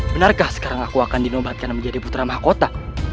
benarkah sekarang aku akan dinobatkan menjadi putera mahakota